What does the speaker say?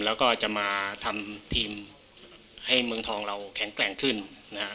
แล้วก็จะมาทำทีมให้เมืองทองเราแข็งแกร่งขึ้นนะฮะ